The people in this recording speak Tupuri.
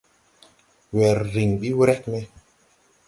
Wɛr rǐŋ ɓi wrɛg me.